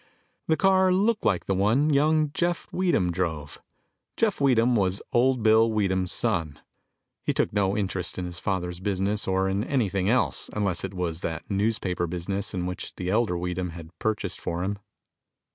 The car looked like the one young Jeff Weedham drove. Jeff Weedham was "Old Bill" Weedham's son. He took no interest in his father's business or in anything else unless it was that newspaper business which the elder Weedham had purchased for him.